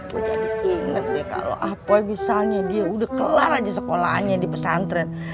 gue jadi inget nih kalo apoy misalnya dia udah kelar aja sekolahnya di pesantren